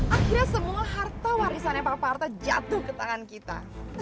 akhirnya semua harta warisannya pak parto jatuh ke tangan kita